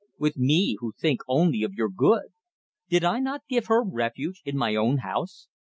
With me who think only of your good? Did I not give her refuge, in my own house?